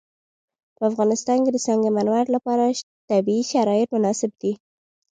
په افغانستان کې د سنگ مرمر لپاره طبیعي شرایط مناسب دي.